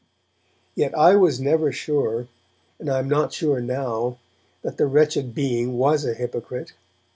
Yet I was never sure, and I am not sure now, that the wretched being was a hypocrite.